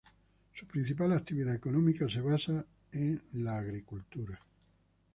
Su principal actividad económica se basa en la agricultura.